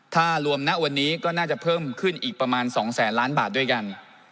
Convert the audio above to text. ถ้ารวมณวันนี้ก็น่าจะเพิ่มขึ้นอีกประมาณ๒แสนล้านบาทด้วยกัน